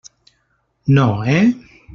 No, eh?